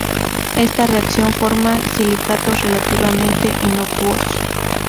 Esta reacción forma silicatos relativamente inocuos.